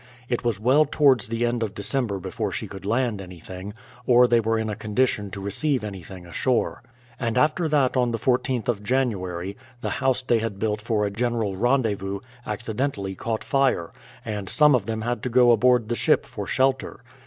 It was well towards the end of December before she could land anything, or they were in a condition to receive anything ashore. And after that on the 14th of January, the house they had built for a general rendezvous accidentally caught fire, and some of them had to go aboard the ship for shelter.